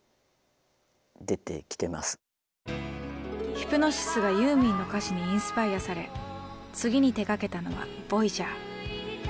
ヒプノシスがユーミンの歌詞にインスパイアされ次に手がけたのは「ＶＯＹＡＧＥＲ」。